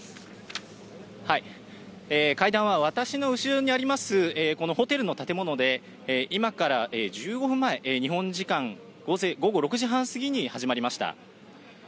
会談は私の後ろにあります、このホテルの建物で、今から１５分前、日本時間午後６時半過ぎに始まりました。